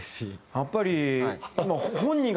やっぱり。